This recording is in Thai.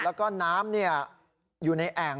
แล้วก็น้ำอยู่ในแอ่ง